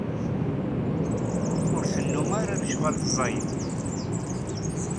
Ur tennum ara d lecɣal ẓẓayen.